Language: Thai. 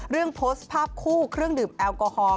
เรื่องโพสต์ภาพคู่เครื่องดื่มแอลกอฮอล์